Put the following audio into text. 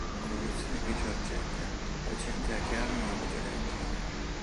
La colorazione è grigio argentea, argentea chiara nella regione ventrale.